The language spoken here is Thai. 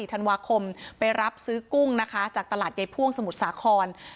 ธันวาคมไปรับซื้อกุ้งนะคะจากตลาดยายพ่วงสมุทรสาคร